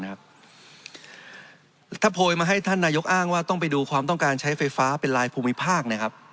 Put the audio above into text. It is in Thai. ถ้าโพยมาให้ท่านนายกอ้างว่าต้องไปดูความต้องการใช้ไฟฟ้าเป็นลายภูมิภาคนะครับ